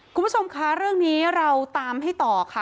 คุณผู้ชมคะเรื่องนี้เราตามให้ต่อค่ะ